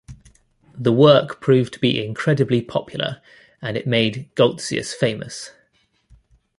The work proved to be incredibly popular and it made Goltzius famous.